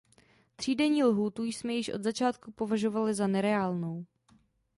Třídenní lhůtu jsme již od začátku považovali za nereálnou.